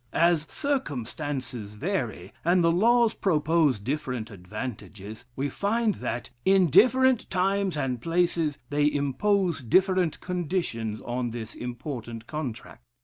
As circumstances vary, and the laws propose different advantages, we find, that in different times and places, they impose different conditions on this important contract.